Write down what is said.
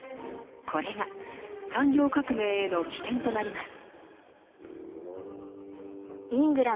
これが産業革命への起点となります。